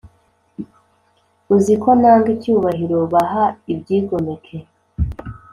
uzi ko nanga icyubahiro baha ibyigomeke;